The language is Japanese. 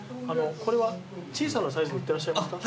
これは小さなサイズ売ってらっしゃいますか？